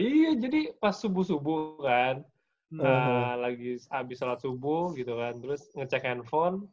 iya jadi pas subuh subuh kan lagi habis sholat subuh gitu kan terus ngecek handphone